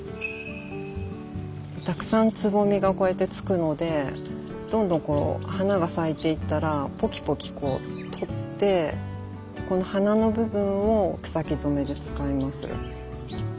たくさんつぼみがこうやってつくのでどんどんこう花が咲いていったらポキポキこう取ってこの花の部分を草木染めで使います。